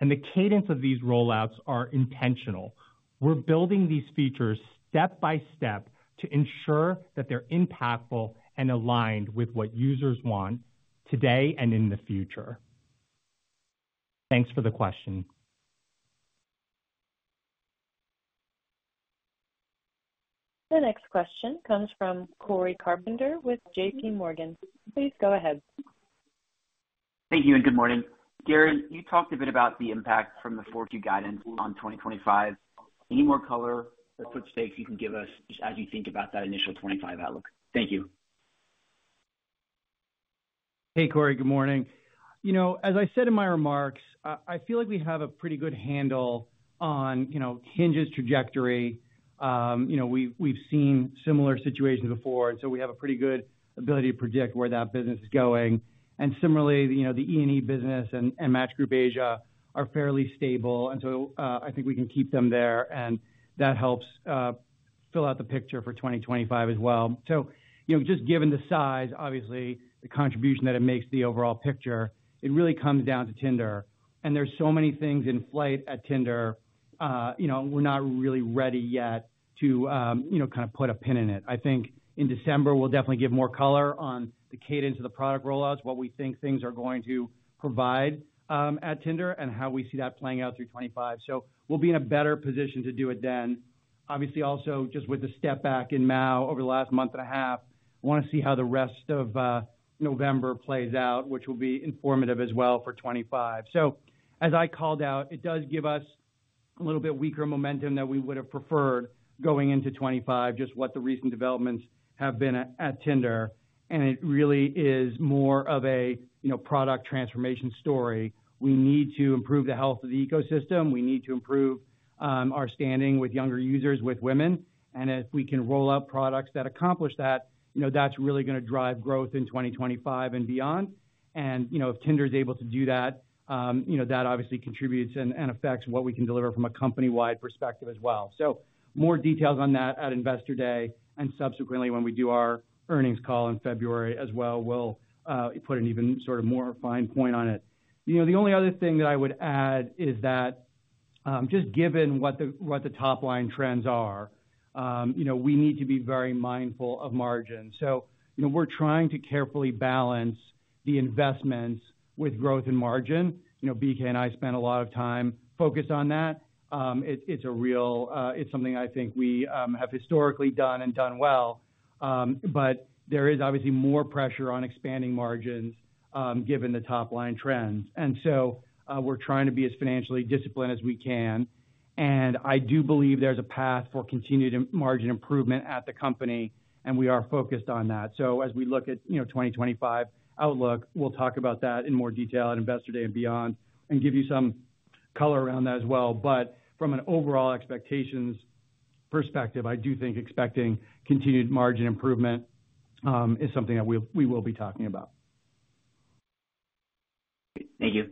Speaker 3: and the cadence of these rollouts are intentional. We're building these features step by step to ensure that they're impactful and aligned with what users want today and in the future. Thanks for the question.
Speaker 1: The next question comes from Corey Carpenter with JPMorgan. Please go ahead.
Speaker 11: Thank you and good morning. Gary, you talked a bit about the impact from the 4Q guidance on 2025. Any more color? What's the take you can give us just as you think about that initial 2025 outlook? Thank you.
Speaker 4: Hey, Corey, good morning. As I said in my remarks, I feel like we have a pretty good handle on Hinge's trajectory. We've seen similar situations before, and so we have a pretty good ability to predict where that business is going. And similarly, the E&E business and Match Group Asia are fairly stable. And so I think we can keep them there, and that helps fill out the picture for 2025 as well. So just given the size, obviously, the contribution that it makes to the overall picture, it really comes down to Tinder. And there's so many things in flight at Tinder. We're not really ready yet to kind of put a pin in it. I think in December, we'll definitely give more color on the cadence of the product rollouts, what we think things are going to provide at Tinder, and how we see that playing out through 2025. So we'll be in a better position to do it then. Obviously, also just with the step back in MAU over the last month and a half, I want to see how the rest of November plays out, which will be informative as well for 2025. So as I called out, it does give us a little bit weaker momentum than we would have preferred going into 2025, just what the recent developments have been at Tinder. And it really is more of a product transformation story. We need to improve the health of the ecosystem. We need to improve our standing with younger users, with women. And if we can roll out products that accomplish that, that's really going to drive growth in 2025 and beyond. And if Tinder is able to do that, that obviously contributes and affects what we can deliver from a company-wide perspective as well. So, more details on that at Investor Day and subsequently when we do our earnings call in February as well. We'll put an even sort of more fine point on it. The only other thing that I would add is that, just given what the top-line trends are, we need to be very mindful of margin. So, we're trying to carefully balance the investments with growth and margin. BK and I spent a lot of time focused on that. It's something I think we have historically done and done well. But there is obviously more pressure on expanding margins given the top-line trends. And so, we're trying to be as financially disciplined as we can. And I do believe there's a path for continued margin improvement at the company, and we are focused on that. So as we look at 2025 outlook, we'll talk about that in more detail at Investor Day and beyond and give you some color around that as well. But from an overall expectations perspective, I do think expecting continued margin improvement is something that we will be talking about.
Speaker 11: Thank you.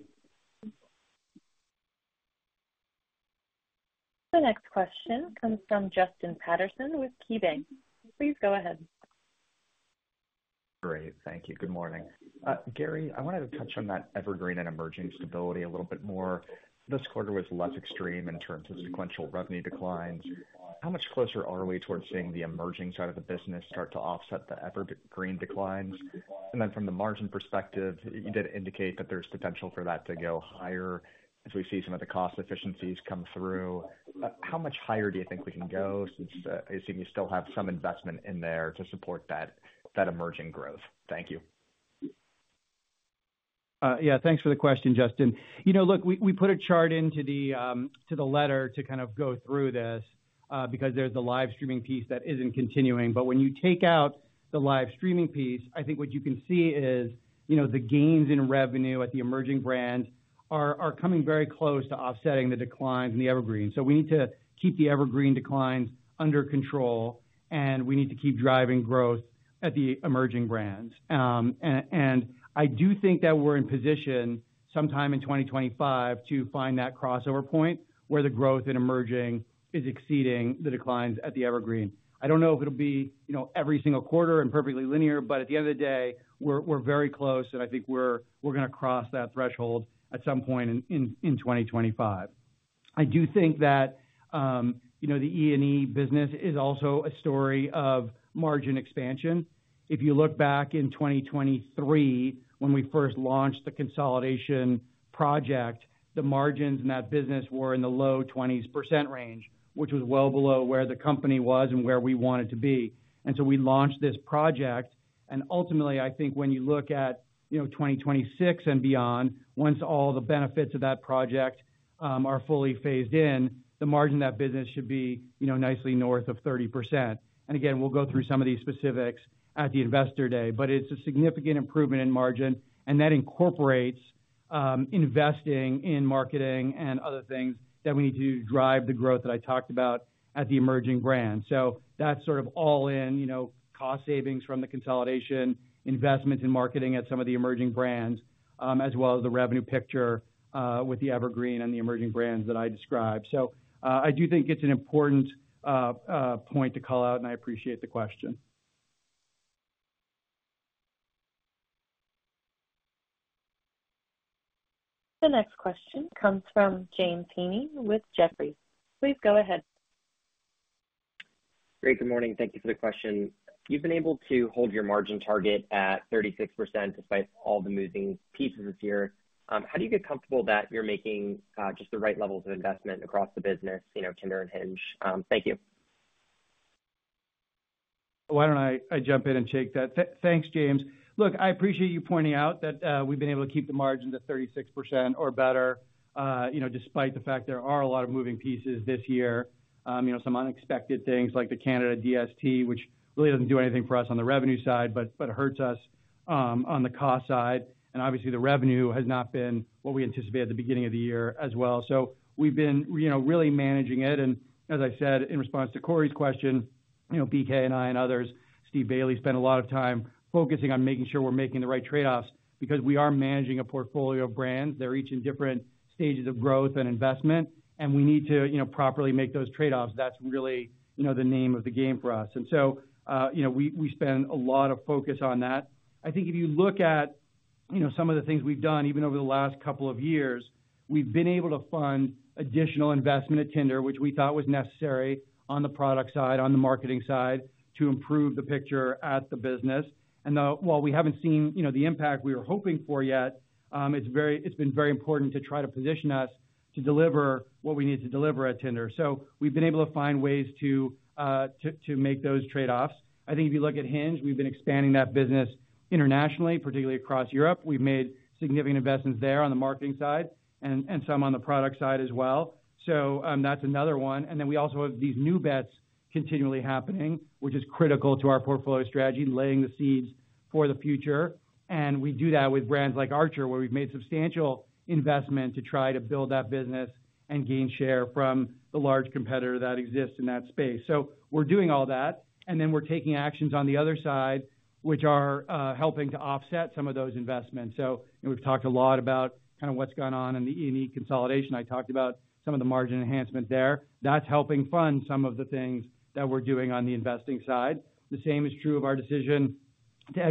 Speaker 1: The next question comes from Justin Patterson with KeyBanc. Please go ahead.
Speaker 12: Great. Thank you. Good morning. Gary, I wanted to touch on that evergreen and emerging stability a little bit more. This quarter was less extreme in terms of sequential revenue declines. How much closer are we towards seeing the emerging side of the business start to offset the evergreen declines? And then from the margin perspective, you did indicate that there's potential for that to go higher as we see some of the cost efficiencies come through. How much higher do you think we can go? You still have some investment in there to support that emerging growth. Thank you.
Speaker 4: Yeah, thanks for the question, Justin. Look, we put a chart into the letter to kind of go through this because there's the live streaming piece that isn't continuing. But when you take out the live streaming piece, I think what you can see is the gains in revenue at the emerging brands are coming very close to offsetting the declines in the evergreen. So we need to keep the evergreen declines under control, and we need to keep driving growth at the emerging brands, and I do think that we're in position sometime in 2025 to find that crossover point where the growth in emerging is exceeding the declines at the evergreen. I don't know if it'll be every single quarter and perfectly linear, but at the end of the day, we're very close, and I think we're going to cross that threshold at some point in 2025. I do think that the E&E business is also a story of margin expansion. If you look back in 2023, when we first launched the consolidation project, the margins in that business were in the low 20% range, which was well below where the company was and where we wanted to be, and so we launched this project, and ultimately, I think when you look at 2026 and beyond, once all the benefits of that project are fully phased in, the margin of that business should be nicely north of 30%. We'll go through some of these specifics at the Investor Day, but it's a significant improvement in margin, and that incorporates investing in marketing and other things that we need to drive the growth that I talked about at the emerging brands. So that's sort of all in cost savings from the consolidation, investment in marketing at some of the emerging brands, as well as the revenue picture with the evergreen and the emerging brands that I described. So I do think it's an important point to call out, and I appreciate the question.
Speaker 1: The next question comes from James Heaney with Jefferies. Please go ahead.
Speaker 13: Great. Good morning. Thank you for the question. You've been able to hold your margin target at 36% despite all the moving pieces this year. How do you get comfortable that you're making just the right levels of investment across the business, Tinder and Hinge? Thank you.
Speaker 4: Why don't I jump in and take that? Thanks, James. Look, I appreciate you pointing out that we've been able to keep the margin to 36% or better despite the fact there are a lot of moving pieces this year, some unexpected things like the Canada DST, which really doesn't do anything for us on the revenue side, but it hurts us on the cost side. And obviously, the revenue has not been what we anticipated at the beginning of the year as well. So we've been really managing it. And as I said, in response to Corey's question, BK and I and others, Steve Bailey spent a lot of time focusing on making sure we're making the right trade-offs because we are managing a portfolio of brands. They're each in different stages of growth and investment, and we need to properly make those trade-offs. That's really the name of the game for us, and so we spend a lot of focus on that. I think if you look at some of the things we've done, even over the last couple of years, we've been able to fund additional investment at Tinder, which we thought was necessary on the product side, on the marketing side, to improve the picture at the business, and while we haven't seen the impact we were hoping for yet, it's been very important to try to position us to deliver what we need to deliver at Tinder, so we've been able to find ways to make those trade-offs. I think if you look at Hinge, we've been expanding that business internationally, particularly across Europe. We've made significant investments there on the marketing side and some on the product side as well. So that's another one. And then we also have these new bets continually happening, which is critical to our portfolio strategy, laying the seeds for the future. And we do that with brands like Archer, where we've made substantial investment to try to build that business and gain share from the large competitor that exists in that space. So we're doing all that, and then we're taking actions on the other side, which are helping to offset some of those investments. So we've talked a lot about kind of what's gone on in the E&E consolidation. I talked about some of the margin enhancement there. That's helping fund some of the things that we're doing on the investing side. The same is true of our decision to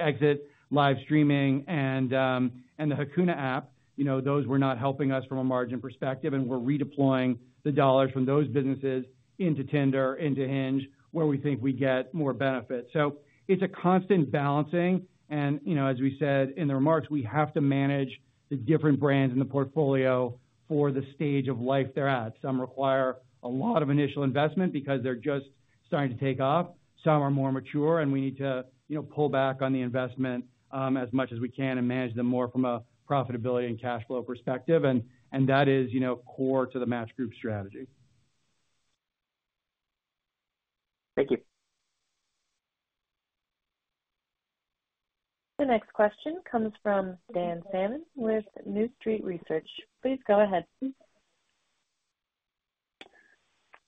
Speaker 4: exit live streaming and the Hakuna app. Those were not helping us from a margin perspective, and we're redeploying the dollars from those businesses into Tinder, into Hinge, where we think we get more benefit. So it's a constant balancing, and as we said in the remarks, we have to manage the different brands in the portfolio for the stage of life they're at. Some require a lot of initial investment because they're just starting to take off. Some are more mature, and we need to pull back on the investment as much as we can and manage them more from a profitability and cash flow perspective, and that is core to the Match Group strategy.
Speaker 13: Thank you.
Speaker 1: The next question comes from Dan Salmon with New Street Research. Please go ahead.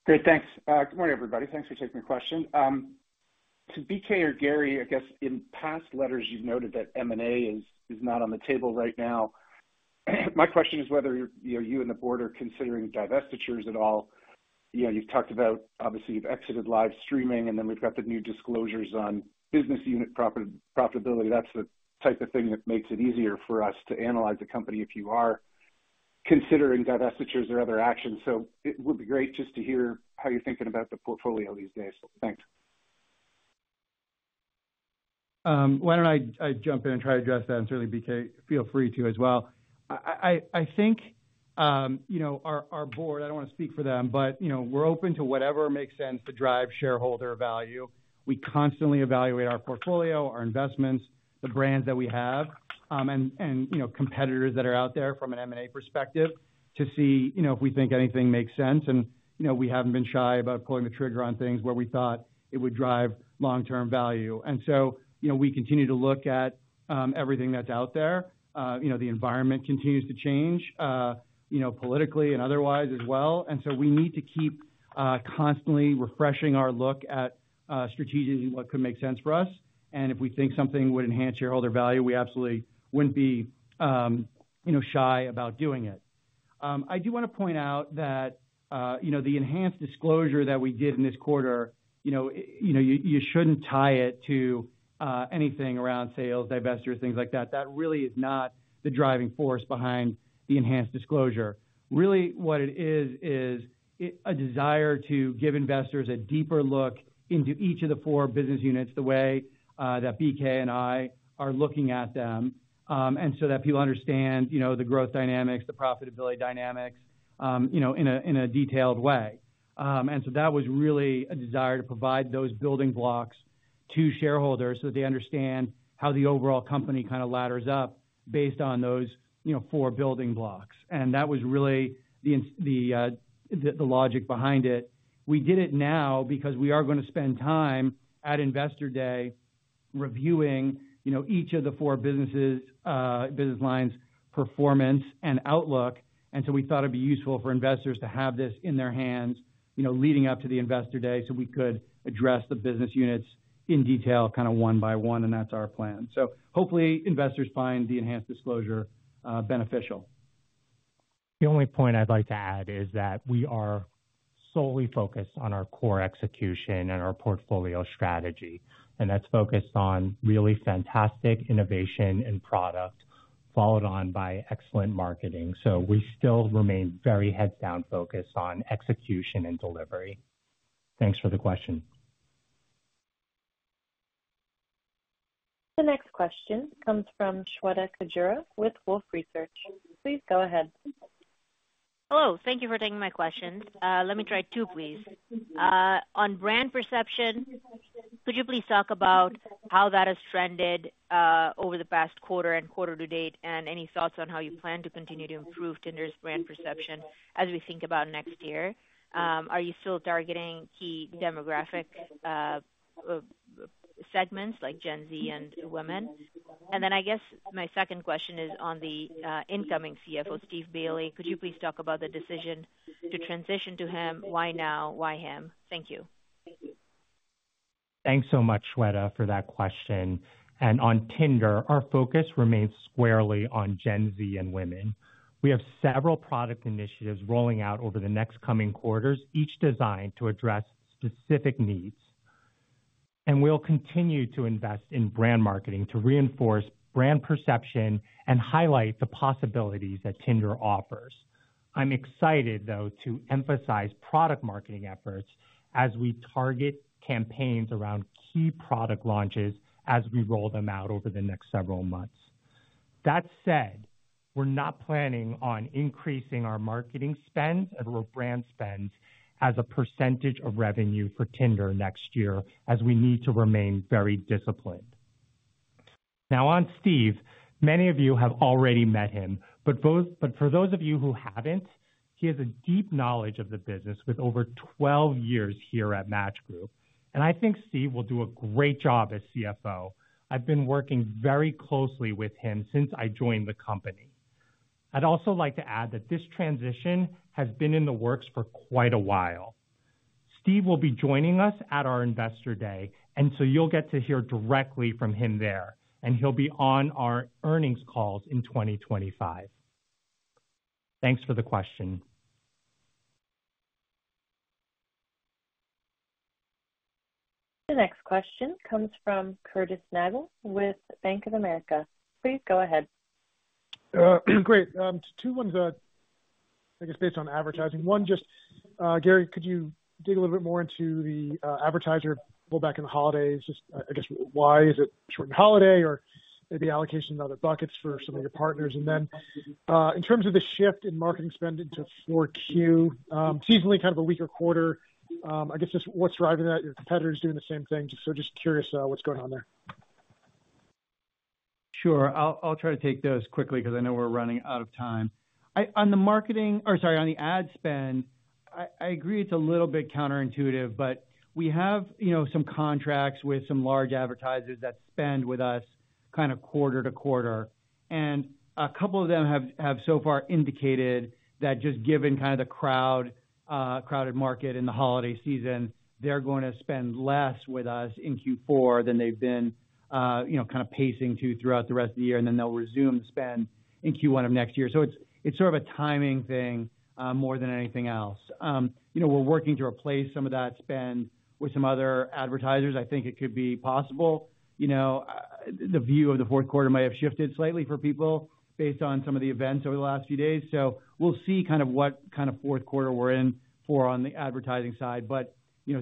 Speaker 14: Great. Thanks. Good morning, everybody. Thanks for taking my question. To BK or Gary, I guess in past letters, you've noted that M&A is not on the table right now. My question is whether you and the board are considering divestitures at all. You've talked about, obviously, you've exited live streaming, and then we've got the new disclosures on business unit profitability. That's the type of thing that makes it easier for us to analyze the company if you are considering divestitures or other actions. So it would be great just to hear how you're thinking about the portfolio these days. Thanks.
Speaker 4: Why don't I jump in and try to address that? And certainly, BK, feel free to as well. I think our board, I don't want to speak for them, but we're open to whatever makes sense to drive shareholder value. We constantly evaluate our portfolio, our investments, the brands that we have, and competitors that are out there from an M&A perspective to see if we think anything makes sense. And we haven't been shy about pulling the trigger on things where we thought it would drive long-term value. And so we continue to look at everything that's out there. The environment continues to change politically and otherwise as well. And so we need to keep constantly refreshing our look at strategically what could make sense for us. And if we think something would enhance shareholder value, we absolutely wouldn't be shy about doing it. I do want to point out that the enhanced disclosure that we did in this quarter, you shouldn't tie it to anything around sales, divestitures, things like that. That really is not the driving force behind the enhanced disclosure. Really, what it is, is a desire to give investors a deeper look into each of the four business units the way that BK and I are looking at them, and so that people understand the growth dynamics, the profitability dynamics in a detailed way. And so that was really a desire to provide those building blocks to shareholders so that they understand how the overall company kind of ladders up based on those four building blocks. And that was really the logic behind it. We did it now because we are going to spend time at Investor Day reviewing each of the four business lines' performance and outlook. And so we thought it would be useful for investors to have this in their hands leading up to the Investor Day so we could address the business units in detail kind of one by one, and that's our plan. So hopefully, investors find the enhanced disclosure beneficial.
Speaker 2: The only point I'd like to add is that we are solely focused on our core execution and our portfolio strategy. And that's focused on really fantastic innovation and product, followed on by excellent marketing. So we still remain very heads-down focused on execution and delivery. Thanks for the question.
Speaker 1: The next question comes from Shweta Khajuria with Wolfe Research. Please go ahead.
Speaker 15: Hello. Thank you for taking my questions. Let me try two, please. On brand perception, could you please talk about how that has trended over the past quarter and quarter to date, and any thoughts on how you plan to continue to improve Tinder's brand perception as we think about next year? Are you still targeting key demographic segments like Gen Z and women? And then I guess my second question is on the incoming CFO, Steve Bailey. Could you please talk about the decision to transition to him? Why now? Why him? Thank you.
Speaker 3: Thanks so much, Shweta, for that question. And on Tinder, our focus remains squarely on Gen Z and women. We have several product initiatives rolling out over the next coming quarters, each designed to address specific needs, and we'll continue to invest in brand marketing to reinforce brand perception and highlight the possibilities that Tinder offers. I'm excited, though, to emphasize product marketing efforts as we target campaigns around key product launches as we roll them out over the next several months. That said, we're not planning on increasing our marketing spend or brand spend as a percentage of revenue for Tinder next year, as we need to remain very disciplined. Now, on Steve, many of you have already met him. But for those of you who haven't, he has a deep knowledge of the business with over 12 years here at Match Group. And I think Steve will do a great job as CFO. I've been working very closely with him since I joined the company. I'd also like to add that this transition has been in the works for quite a while. Steve will be joining us at our Investor Day, and so you'll get to hear directly from him there. And he'll be on our earnings calls in 2025. Thanks for the question.
Speaker 1: The next question comes from Curtis Nagle with Bank of America. Please go ahead.
Speaker 16: Great. Two ones, I guess, based on advertising. One, just Gary, could you dig a little bit more into the advertiser pullback in the holidays? Just, I guess, why is it shortened holiday or maybe allocation of other buckets for some of your partners? And then in terms of the shift in marketing spend into 4Q, seasonally, kind of a week or quarter, I guess just what's driving that? Your competitors doing the same thing? So just curious what's going on there.
Speaker 4: Sure. I'll try to take those quickly because I know we're running out of time. On the marketing or sorry, on the ad spend, I agree it's a little bit counterintuitive, but we have some contracts with some large advertisers that spend with us kind of quarter to quarter. A couple of them have so far indicated that just given kind of the crowded market in the holiday season, they're going to spend less with us in Q4 than they've been kind of pacing to throughout the rest of the year, and then they'll resume the spend in Q1 of next year. It's sort of a timing thing more than anything else. We're working to replace some of that spend with some other advertisers. I think it could be possible. The view of the fourth quarter might have shifted slightly for people based on some of the events over the last few days. We'll see kind of what kind of fourth quarter we're in for on the advertising side.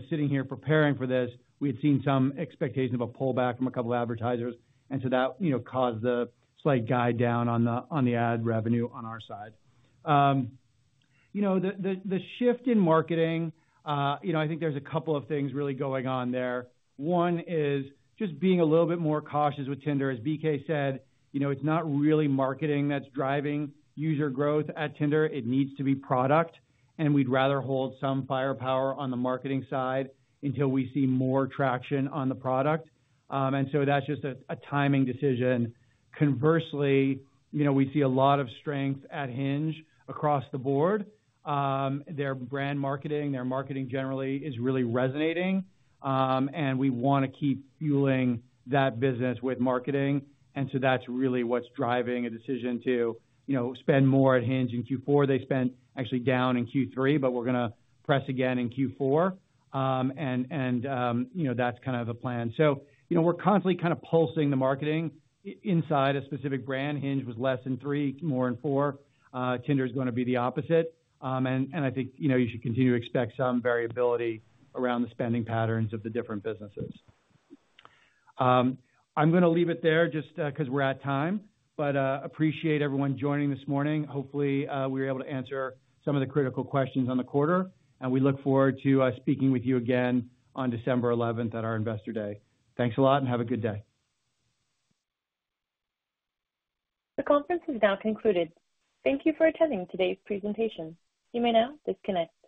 Speaker 4: Sitting here preparing for this, we had seen some expectation of a pullback from a couple of advertisers, and so that caused the slight guide down on the ad revenue on our side. The shift in marketing, I think there's a couple of things really going on there. One is just being a little bit more cautious with Tinder. As BK said, it's not really marketing that's driving user growth at Tinder. It needs to be product, and we'd rather hold some firepower on the marketing side until we see more traction on the product. And so that's just a timing decision. Conversely, we see a lot of strength at Hinge across the board. Their brand marketing, their marketing generally is really resonating, and we want to keep fueling that business with marketing. And so that's really what's driving a decision to spend more at Hinge in Q4. They spent actually down in Q3, but we're going to press again in Q4. And that's kind of the plan. So we're constantly kind of pulsing the marketing inside a specific brand. Hinge was less in three, more in four. Tinder is going to be the opposite. And I think you should continue to expect some variability around the spending patterns of the different businesses. I'm going to leave it there just because we're at time, but appreciate everyone joining this morning. Hopefully, we were able to answer some of the critical questions on the quarter, and we look forward to speaking with you again on December 11th at our Investor Day. Thanks a lot and have a good day.
Speaker 1: The conference is now concluded. Thank you for attending today's presentation. You may now disconnect.